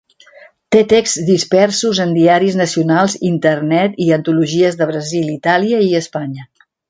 Té texts dispersos en diaris nacionals, internet i antologies de Brasil, Itàlia i Espanya.